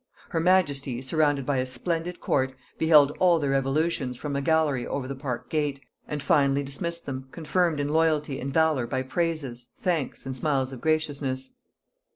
Her majesty, surrounded by a splendid court, beheld all their evolutions from a gallery over the park gate, and finally dismissed them, confirmed in loyalty and valor by praises, thanks, and smiles of graciousness.